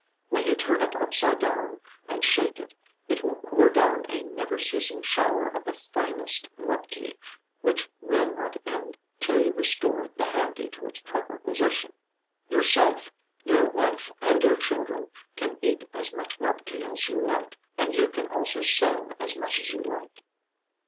When you turn it upside down and shake it, it will pour down a never ceasing shower of the finest mudki, which will not end till you restore the handi to its proper position. Yourself, your wife, and your children can eat as much mudki as you like, and you can also sell as much as you like."